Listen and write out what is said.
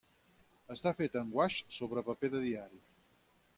Està feta en guaix sobre paper de diari.